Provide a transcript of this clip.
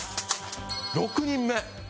６人目。